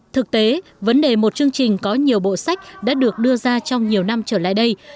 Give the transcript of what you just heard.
thực tế vấn đề một chương trình có nhiều bộ sách đã được đưa ra trong nhiều năm trở lại đây